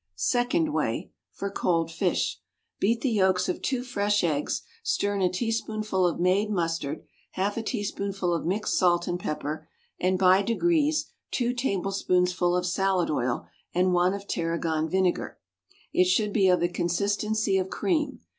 Second Way (for cold fish): Beat the yolks of two fresh eggs, stir in a teaspoonful of made mustard, half a teaspoonful of mixed salt and pepper, and by degrees two tablespoonsful of salad oil and one of tarragon vinegar. It should be of the consistency of cream.